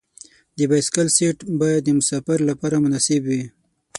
د بایسکل سیټ باید د مسافر لپاره مناسب وي.